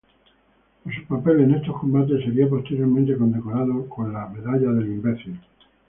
Por su papel en estos combates sería posteriormente condecorado con la Medalla del Valor.